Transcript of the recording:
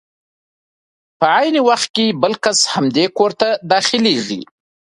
په عین وخت کې بل کس همدې کور ته داخلېږي.